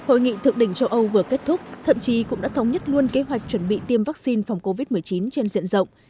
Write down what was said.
hội nghị thượng đỉnh châu âu vừa kết thúc thậm chí cũng đã thống nhất luôn kế hoạch chuẩn bị tiêm vaccine phòng covid một mươi chín trên diện rộng